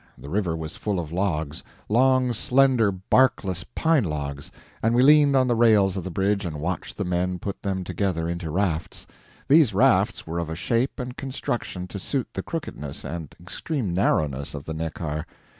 The river was full of logs long, slender, barkless pine logs and we leaned on the rails of the bridge, and watched the men put them together into rafts. These rafts were of a shape and construction to suit the crookedness and extreme narrowness of the Neckar.